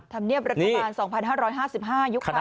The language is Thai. ธรรมเนียบรัฐบาล๒๕๕๕ยุคคราว